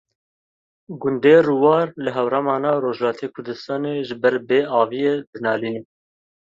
Gundê Rûwar li Hewraman a Rojhilatê Kurdistanê ji ber bê aviyê dinalîne.